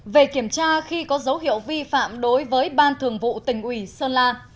một về kiểm tra khi có dấu hiệu vi phạm đối với ban thường vụ tỉnh ủy sơn la